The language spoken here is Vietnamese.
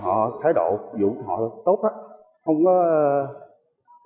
họ thái độ vụ họ tốt